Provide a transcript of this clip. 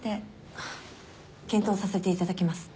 あっ検討させていただきます。